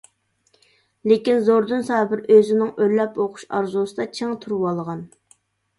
لېكىن زوردۇن سابىر ئۆزىنىڭ ئۆرلەپ ئوقۇش ئارزۇسىدا چىڭ تۇرۇۋالغان.